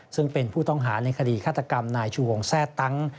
ซึ่งเป็นผู้ต้องหาในคดีฆาตกรรมนายชูวงแทร่ตั้ง